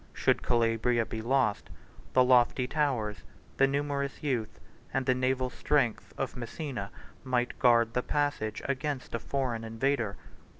131 Should Calabria be lost, the lofty towers, the numerous youth, and the naval strength, of Messina, 132 might guard the passage against a foreign invader.